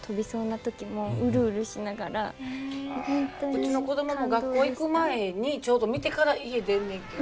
うちの子供も学校行く前にちょうど見てから家出んねんけど